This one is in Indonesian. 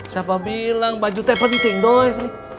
siapa bilang baju tepa di tingdoi